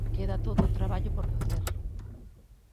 Queda todo o traballo por facer.